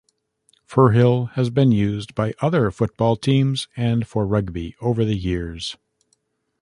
Firhill has been used by other football teams and for rugby over the years.